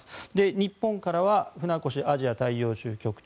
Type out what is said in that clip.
日本からは船越アジア大洋州局長。